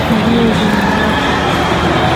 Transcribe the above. Nguo zimeletwa.